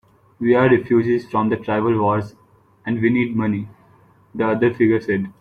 "We're refugees from the tribal wars, and we need money," the other figure said.